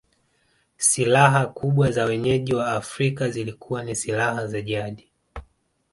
Silaha kubwa za wenyeji wa Afrika zilikuwa ni silaha za jadi